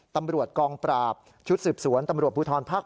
ตำรวจกองปราบชุดสืบสวนตำรวจภูทรภาค๗